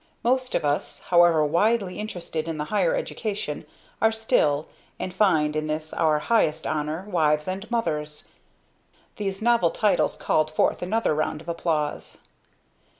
"Most of us, however widely interested in the higher education, are still and find in this our highest honor wives and mothers." These novel titles called forth another round of applause.